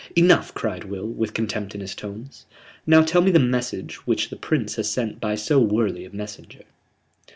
"Enough," cried Will, with contempt in his tones. "Now tell me the message which the Prince has sent by so worthy a messenger."